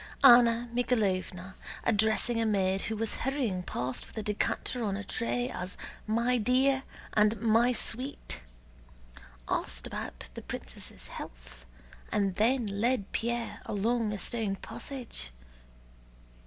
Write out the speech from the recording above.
Anna Mikháylovna, addressing a maid who was hurrying past with a decanter on a tray as "my dear" and "my sweet," asked about the princess' health and then led Pierre along a stone passage.